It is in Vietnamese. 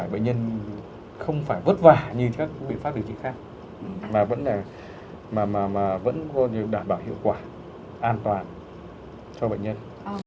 bệnh nhân không phải vất vả như các biện pháp điều trị khác mà vẫn là vẫn đảm bảo hiệu quả an toàn cho bệnh nhân